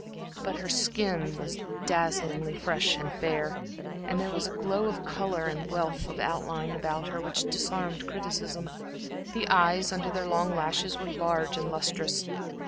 But her skin was dazzlingly fair and fresh, and there was a glow of color and wealth of outline about her which disarmed criticism. The eyes, under their long lashes, were large and lustrous.